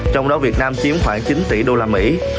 trong đó việt nam chiếm khoảng chín tỷ usd